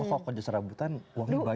oh kok kerja serabutan uangnya banyak ya